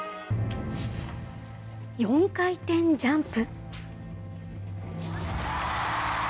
４回転ジャンプ。